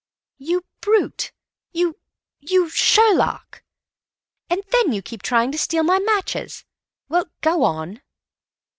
"You brute! You—you Sherlock! And then you keep trying to steal my matches. Well, go on."